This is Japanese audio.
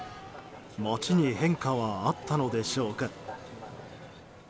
街に変化はあったのでしょうか。